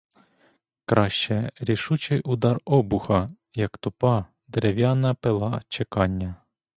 Краще рішучий удар обуха, як тупа, дерев'яна пила чекання.